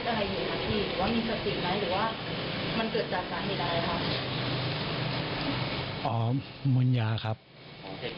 ตอนนั้นเราคิดอะไรอยู่คะพี่